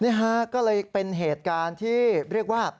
นี่ฮะก็เลยเป็นเหตุการณ์ที่เรียกว่า